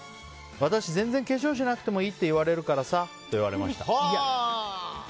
私、全然化粧しなくてもいいって言われるからさと言われました。